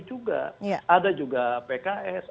juga ada juga pks